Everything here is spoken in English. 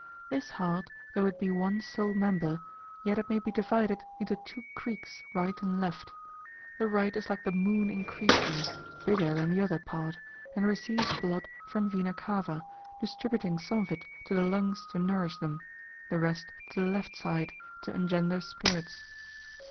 This heart, though it be one sole member, yet it may be divided into two creeks right and left. The right is like the moon increasing, bigger than the other part, and receives blood from vena cava, distributing some of it to the lungs to nourish them; the rest to the left side, to engender spirits.